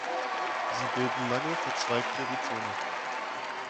Sie bilden lange verzweigte Rhizome.